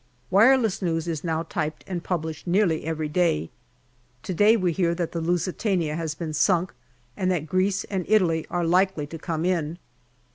Wireless news is now typed and published nearly every day. To day we hear that the Lusitania has been sunk and that Greece and Italy are likely to come in.